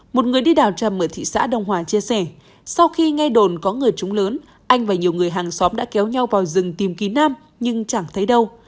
một người đi đào trầm ở thị xã đông hòa chia sẻ sau khi nghe đồn có người trúng lớn anh và nhiều người hàng xóm đã kéo nhau vào rừng tìm kiếm nam nhưng chẳng thấy đâu